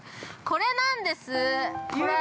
これなんです、これ。